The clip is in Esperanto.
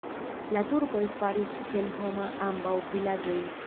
La turkoj faris senhoma ambaŭ vilaĝojn.